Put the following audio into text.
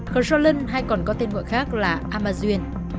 khởi sô lân hay còn có tên ngội khác là amazuyen